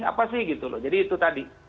apa sih jadi itu tadi